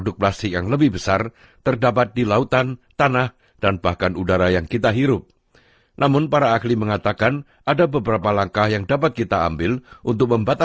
kita menemukan plastik di hampir setiap perjalanan yang kita lakukan